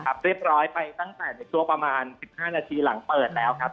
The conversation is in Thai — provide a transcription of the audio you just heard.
เรียบร้อยไปตั้งแต่ในช่วงประมาณ๑๕นาทีหลังเปิดแล้วครับ